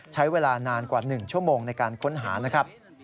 ใช้เวลานานกว่า๑ชั่วโมงในการค้นหานะครับ